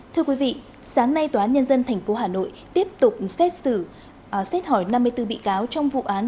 thưa quý vị sáng nay tòa án nhân dân tp hà nội tiếp tục xét xử xét hỏi năm mươi bốn bị cáo trong vụ án